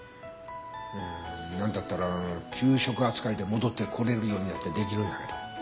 まあなんだったら休職扱いで戻ってこれるようにだって出来るんだけど。